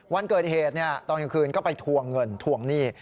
วันเกิดเหตุตอนกลางคืนก็ไปทวงเงินทวงหนี้